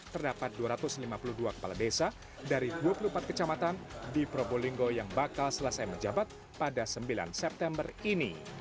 terdapat dua ratus lima puluh dua kepala desa dari dua puluh empat kecamatan di probolinggo yang bakal selesai menjabat pada sembilan september ini